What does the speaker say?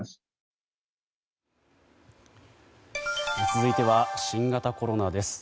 続いては新型コロナです。